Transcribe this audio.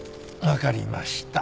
分かりました。